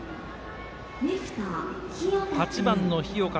８番の日岡